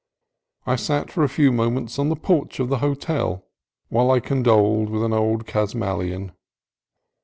I sat for a few moments on the porch of the hotel while I condoled with an old Casmalian.